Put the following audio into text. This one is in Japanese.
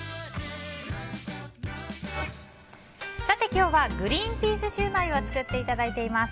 今日はグリーンピースシューマイを作っていただいています。